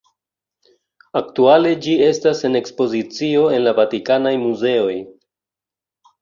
Aktuale ĝi estas en ekspozicio en la Vatikanaj muzeoj.